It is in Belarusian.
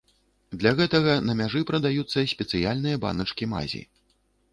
Для гэтага на мяжы прадаюцца спецыяльныя баначкі мазі.